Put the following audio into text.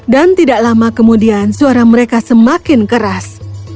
tidak lama kemudian suara mereka semakin keras